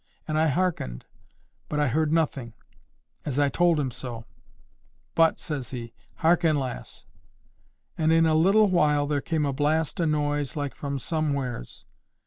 And I hearkened, but I heard nothing,—as I told him so. 'But,' says he, 'hearken, lass.' And in a little while there come a blast o' noise like from somewheres.